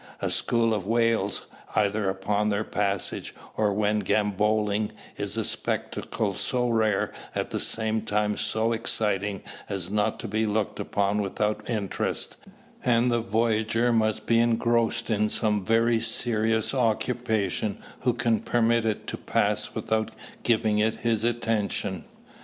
A school of whales, either upon their "passage" or when "gambolling," is a spectacle so rare, at the same time so exciting, as not to be looked upon without interest; and the voyager must be engrossed in some very serious occupation who can permit it to pass without giving it his attention.